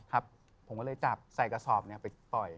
ครับผมก็เลยจับใส่กระสอบไปปล่อย